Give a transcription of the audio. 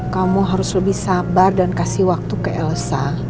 kamu harus lebih sabar dan kasih waktu ke elsa